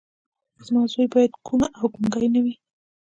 زما زوی بايد کوڼ او ګونګی نه وي.